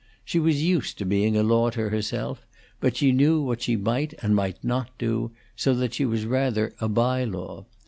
She was used to being a law to herself, but she knew what she might and might not do, so that she was rather a by law.